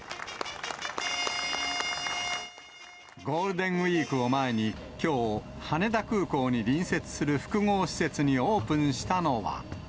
ゴールデンウィークを前に、きょう、羽田空港に隣接する複合施設にオープンしたのは。